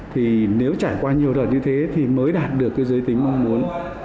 thì nếu trải qua nhiều đợt như thế thì mới đạt được cái giới tính mong muốn